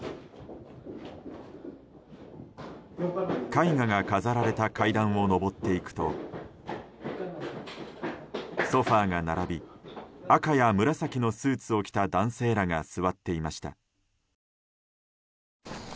絵画が飾られた階段を上っていくとソファが並び赤や紫のスーツを着た男性らが座っていました。